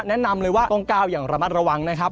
แนะนำเลยว่าต้องก้าวอย่างระมัดระวังนะครับ